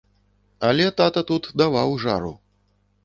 Але тата тут даваў жару.